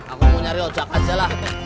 aku mau nyari objek aja lah